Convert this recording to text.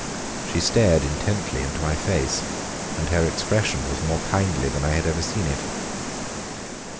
She stared intently into my face, and her expression was more kindly than I had ever seen it.